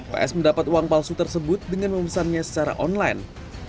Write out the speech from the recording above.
ps mendapat uang palsu tersebut dengan memesannya secara online